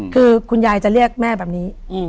คือคุณยายจะเรียกแม่แบบนี้